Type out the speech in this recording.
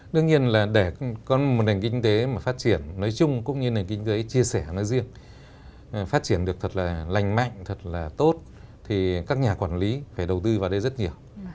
đương nhiên là để có một nền kinh tế mà phát triển nói chung cũng như nền kinh tế chia sẻ nói riêng phát triển được thật là lành mạnh thật là tốt thì các nhà quản lý phải đầu tư vào đây rất nhiều